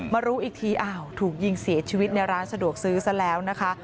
รู้อีกทีอ้าวถูกยิงเสียชีวิตในร้านสะดวกซื้อซะแล้วนะคะ